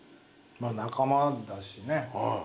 まあ仲間だしね。